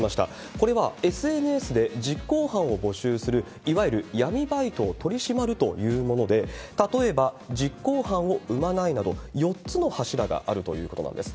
これはＳＮＳで実行犯を募集する、いわゆる闇バイトを取り締まるというもので、例えば実行犯を生まないなど、４つの柱があるということなんです。